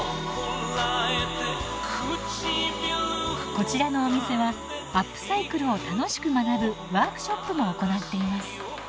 こちらのお店はアップサイクルを楽しく学ぶワークショップも行っています。